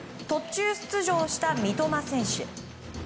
途中出場した三笘選手。